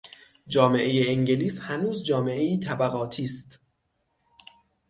جامعهی انگلیس هنوز جامعهای طبقاتی است.